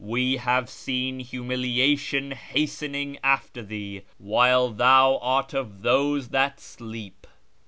We have seen humiliation hastening after thee, xohile thou art of those that sleep."